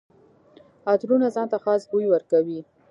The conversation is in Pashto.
عطرونه ځان ته خاص بوی ورکوي.